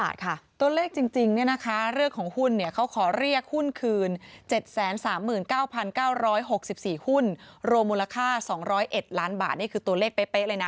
ที่เขายื่นฟ้องนะคะ